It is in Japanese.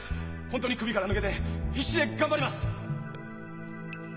本当に組から抜けて必死で頑張ります！